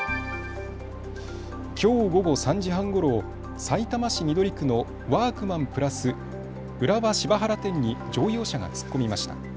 きょう午後３時半ごろ、さいたま市緑区のワークマンプラス浦和芝原店に乗用車が突っ込みました。